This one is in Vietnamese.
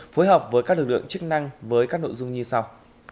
phối hợp với các lực lượng chức năng với các nội dung như sau